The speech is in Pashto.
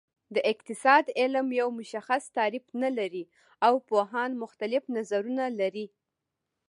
د اقتصاد علم یو مشخص تعریف نلري او پوهان مختلف نظرونه لري